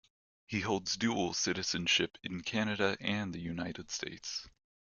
He holds dual citizenship in Canada and the United States.